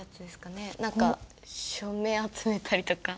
何か署名集めたりとか。